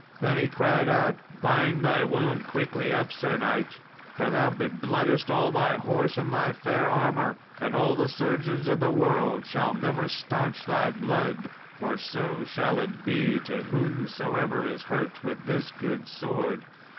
Then he cried out, "Bind thy wound quickly up, Sir knight, for thou be bloodest all thy horse and thy fair armour, and all the surgeons of the world shall never staunch thy blood; for so shall it be to whomsoever is hurt with this good sword."